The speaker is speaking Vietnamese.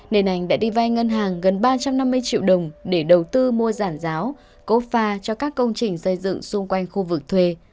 nên anh đã đi vay ngân hàng gần ba trăm năm mươi triệu đồng để đầu tư mua giản giáo cố pha cho các công trình xây dựng xung quanh khu vực thuê